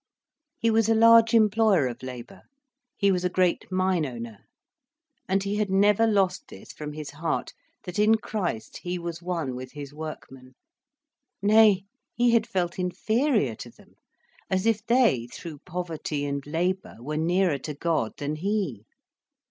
He was a large employer of labour, he was a great mine owner. And he had never lost this from his heart, that in Christ he was one with his workmen. Nay, he had felt inferior to them, as if they through poverty and labour were nearer to God than he.